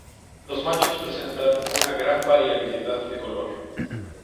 Los machos presentan una gran variabilidad de color.